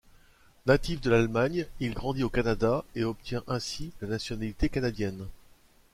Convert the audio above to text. Natif de l'Allemagne, il grandit au Canada et obtient ainsi la nationalité canadienne.